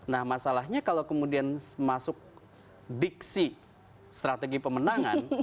nah masalahnya kalau kemudian masuk diksi strategi pemenangan